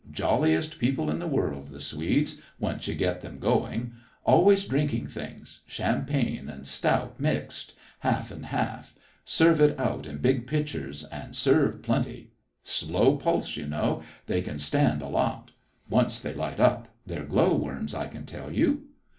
Jolliest people in the world, the Swedes, once you get them going. Always drinking things champagne and stout mixed, half and half; serve it out of big pitchers, and serve plenty. Slow pulse, you know; they can stand a lot. Once they light up, they're glow worms, I can tell you."